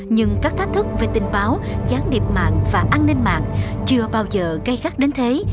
nhưng các thách thức về tình báo gián điệp mạng và an ninh mạng chưa bao giờ gây khắc đến thế